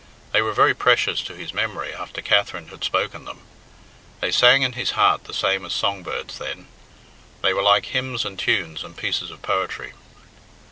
They were very precious to his memory after Katherine had spoken them. They sang in his heart the same as song birds then. They were like hymns and tunes and pieces of poetry.